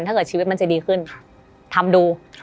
ถ้าเกิดชีวิตมันจะดีขึ้นทำดู